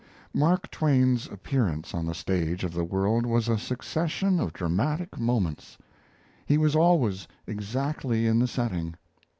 Mark Twain's appearance on the stage of the world was a succession of dramatic moments. He was always exactly in the setting.